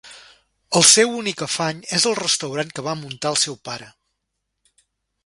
El seu únic afany és el restaurant que va muntar el seu pare.